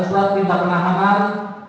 perintah penahanan tiga ratus dua